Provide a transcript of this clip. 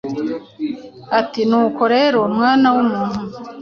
ati: “Nuko rero, mwana w’umuntu,